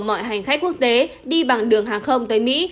mọi hành khách quốc tế đi bằng đường hàng không tới mỹ